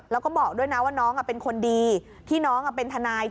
แล้วก็บอกด้วยนะว่าน้องเป็นคนดีที่น้องเป็นทนาย